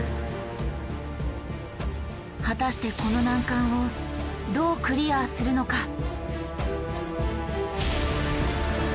果たしてこの難関をどうクリアするのか⁉